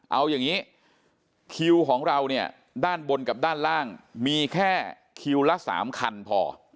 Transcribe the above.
เอาอย่างนี้คิวของเราเนี่ยด้านบนกับด้านล่างมีแค่คิวละ๓คันพอ